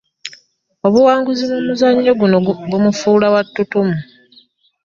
Obuwanguzi mu muzannyo guno bumufuula wa ttutumu.